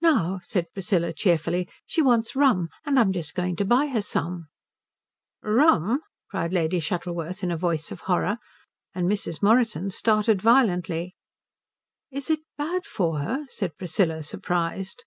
"Now," said Priscilla cheerfully, "she wants rum, and I'm just going to buy her some." "Rum?" cried Lady Shuttleworth in a voice of horror; and Mrs. Morrison started violently. "Is it bad for her?" said Priscilla, surprised.